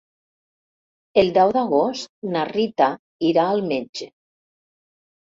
El deu d'agost na Rita irà al metge.